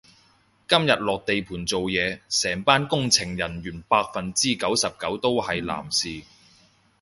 今日落地盤做嘢，成班工程人員百分之九十九都係男士